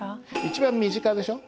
一番身近でしょ。